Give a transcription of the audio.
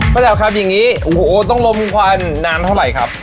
ระดับครับอย่างนี้โอ้โหต้องลมควันนานเท่าไหร่ครับ